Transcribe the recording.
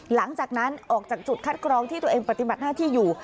หลังจากนั้นออกจากจุดคัดกรองที่ตัวเองปฏิบัติหน้าที่อยู่